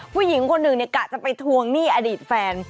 ผู้หญิงคนหนึ่งกะจะไปทวงหนี้อดีตแฟน